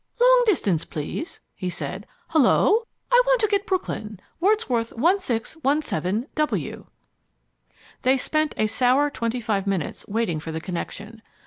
"Long Distance, please," he said. "Hullo? I want to get Brooklyn, Wordsworth 1617 W." They spent a sour twenty five minutes waiting for the connection.